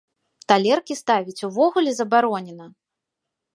Талеркі ставіць увогуле забаронена!